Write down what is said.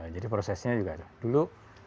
jadi prosesnya juga dulu